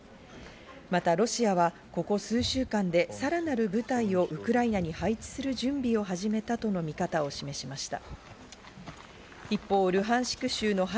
またロシアはここ数週間でさらなる部隊をウクライナに配置する準備を始めたとの見方を示しました。